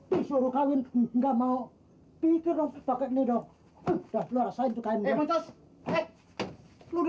disuruh kawin nggak mau bikin pakai nidok udah lu rasain juga